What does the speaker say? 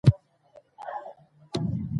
د رسنیو ازادي سیاسي حساب ورکونه پیاوړې کوي